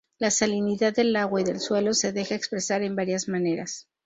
La salinidad del agua y del suelo se deja expresar en varias maneras.